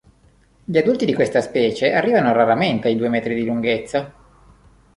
Gli adulti di questa specie arrivavano raramente ai due metri di lunghezza.